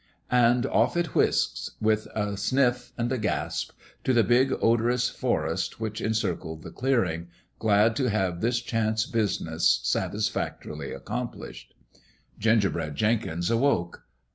And off it whisked, with a sniff and a gasp, to the big odorous forest which encircled the clearing, glad to have this chance business satisfactorily ac complished. Gingerbread Jenkins awoke.